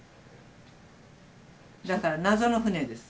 だから謎の船です。